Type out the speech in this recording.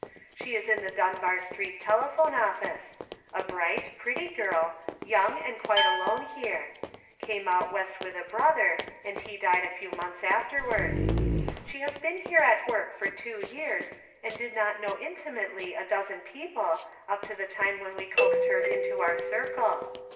She is in the Dunbar Street telephone office ; a bright, pretty girl, young, and quite alone here ; came out West with a brother, and he died a few months afterwards. She has been here at work for two years, and did not know intimately a dozen people, up to the time when we coaxed her into our circle.